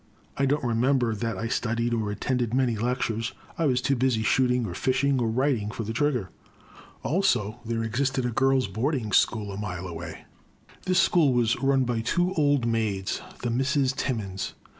I don't remember that I studied or at tended many lectures. I was too busy, shooting or fishing, or writing for the Trigger. Also there existed a girls* boarding school a mile away. The Crime. 269 This school was run by two old maids, the Misses Timmins.